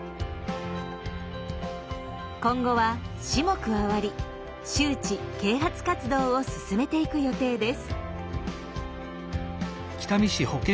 今後は市も加わり周知啓発活動を進めていく予定です。